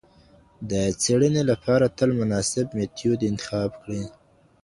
د څېړني لپاره تل مناسب میتود انتخاب کړئ.